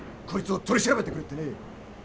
「こいつを取り調べてくれ」ってね。